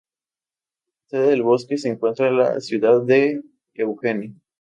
La sede del bosque se encuentra en la ciudad de Eugene.